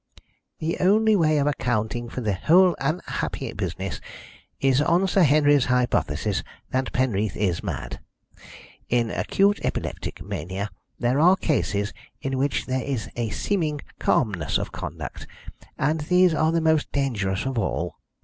"The only way of accounting for the whole unhappy business is on Sir Henry's hypothesis that Penreath is mad. In acute epileptic mania there are cases in which there is a seeming calmness of conduct, and these are the most dangerous of all.